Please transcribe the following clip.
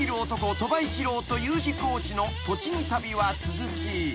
鳥羽一郎とＵ字工事の栃木旅は続き］